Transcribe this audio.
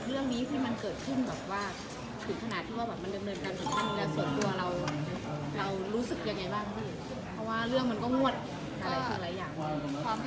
เดี๋ยวแล้วแต่พี่ช่วยเขานะคะ